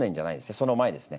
その前ですね